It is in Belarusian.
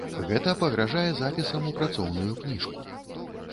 Гэта пагражае запісам ў працоўную кніжку.